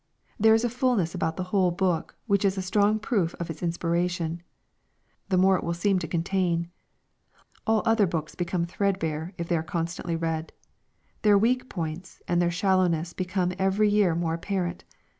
There is a fulness about the whole Book, which is a strong proof of its inspiration. The more we read it, the more it will seem to contain. All other books become threadbare, if they are constantly read. Their weak points, and their shallowness become every year more apparent.